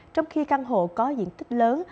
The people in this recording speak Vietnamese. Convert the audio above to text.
trong khi căn hộ có diện tích lớn